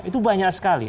itu banyak sekali